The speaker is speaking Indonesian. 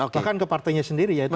bahkan ke partainya sendiri yaitu